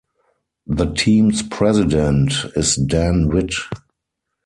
The team's president is Dan Witt.